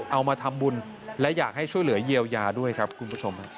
เอามาทำบุญและอยากให้ช่วยเหลือเยียวยาด้วยครับคุณผู้ชม